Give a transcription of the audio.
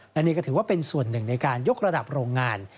และนี่ก็ถือว่าเป็นส่วนหนึ่งในการยกระดับโรงงาน